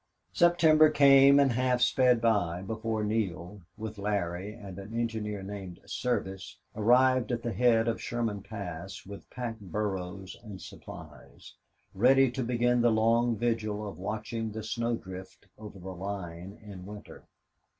September came and half sped by before Neale, with Larry and an engineer named Service, arrived at the head of Sherman Pass with pack burros and supplies, ready to begin the long vigil of watching the snow drift over the line in winter.